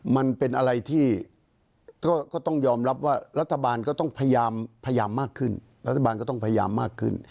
มันเป็นอะไรที่ก็ยอมรับว่ารัฐบาลก็ต้องพยามมากขึ้น